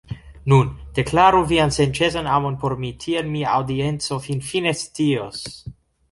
Nun, deklaru vian senĉesan amon por mi tiel mi aŭdienco finfine scios